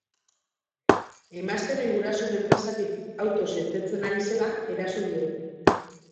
Emaztearen gurasoen enpresatik autoz irtetzen ari zela eraso diote.